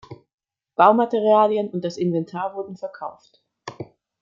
Baumaterialien und das Inventar wurden verkauft.